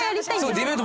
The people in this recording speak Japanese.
ディベート。